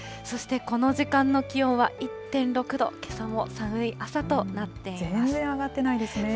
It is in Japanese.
そしてこの時間の気温は１．６度、けさも寒い朝となっています。